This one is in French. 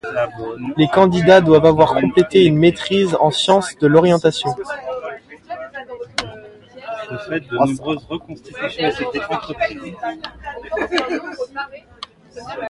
Les candidats doivent avoir complété une maîtrise en sciences de l'orientation.